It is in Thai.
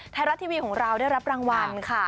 ไทยรัฐทีวีของเราได้รับรางวัลค่ะ